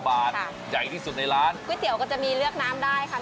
บาทใหญ่ที่สุดในร้านก๋วยเตี๋ยวก็จะมีเลือกน้ำได้ค่ะ